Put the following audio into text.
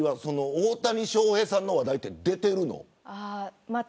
大谷翔平さんの話題は出てるの。